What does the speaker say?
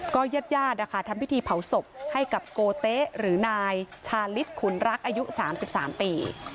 ญาติญาตินะคะทำพิธีเผาศพให้กับโกเต๊ะหรือนายชาลิศขุนรักอายุ๓๓ปี